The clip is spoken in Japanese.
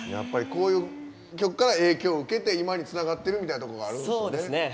こういう曲から影響を受けて今につながってるみたいなところがあるんでしょうね。